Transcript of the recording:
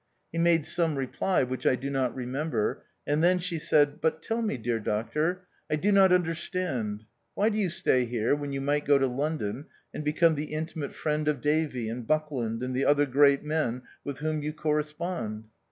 He made some reply, which I do not remember, and then she said, "But tell me, dear doctor, I do not understand; why do you stay here, when you might go to London and become the intimate friend of Davy, and Buckland, and the other great men with whom you corre spond